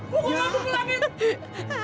pokoknya aku belahin